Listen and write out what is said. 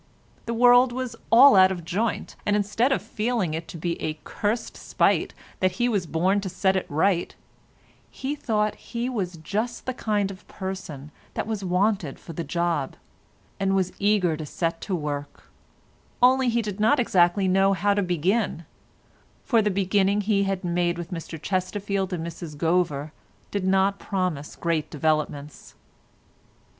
The world was all out of joint, and instead of feeling it to be a cursed spite that he was born to set it right, he thought he was just the kind of person that was wanted for the job, and was eager to set to work, only he did not exactly know how to begin, for the beginning he had made with Mr Chesterfield and Mrs Gover did not promise great developments.